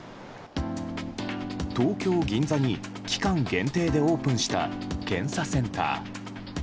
東京・銀座に期間限定でオープンした検査センター。